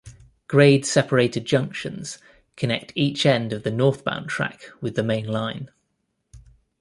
Grade-separated junctions connect each end of the northbound track with the main line.